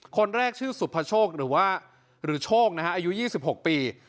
คนแรกชื่อสุภโชคหรือว่าหรือโชคนะฮะอายุ๒๖ปี